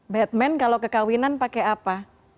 batman kalau kekawinan pakai apa